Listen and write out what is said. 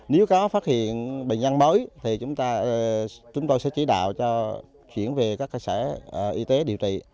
nếu có phát hiện bệnh nhân mới thì chúng tôi sẽ chỉ đạo cho chuyển về các xã y tế điều trị